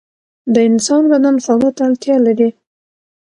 د انسان بدن خوړو ته اړتیا لري.